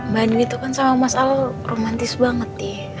banding itu kan sama mas al romantis banget sih